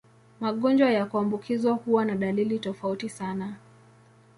Magonjwa ya kuambukizwa huwa na dalili tofauti sana.